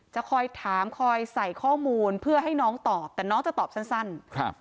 จะคอยถามคอยใส่ข้อมูลเพื่อให้น้องตอบแต่น้องจะตอบสั้นครับ